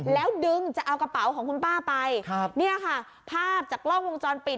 แล้วดึงจะเอากระเป๋าของคุณป้าไปครับเนี่ยค่ะภาพจากกล้องวงจรปิด